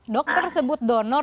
dokter sebut donor